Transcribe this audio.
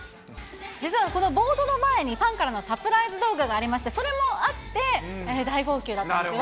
実はこのボードの前に、ファンからのサプライズ動画がありまして、それもあって、大号泣だったんですよ。